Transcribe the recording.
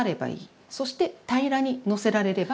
そして平らにのせられればいい。